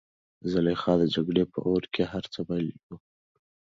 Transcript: زلیخا د جګړې په اور کې هر څه بایللي وو.